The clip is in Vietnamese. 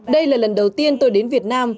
đây là lần đầu tiên tôi đến việt nam